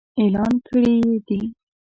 اعلان کړي يې دي.